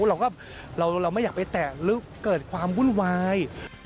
เราก็เราไม่อยากไปแตะหรือเกิดความวุ่นวาย